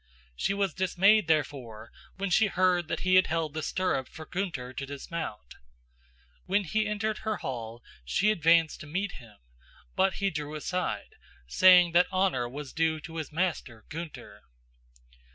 She was dismayed, therefore, when she heard that he had held the stirrup for Gunther to dismount. When he entered her hall, she advanced to meet him; but he drew aside, saying that honor was due to his master Gunther.